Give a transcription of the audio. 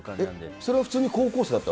それは普通に高校生だったの？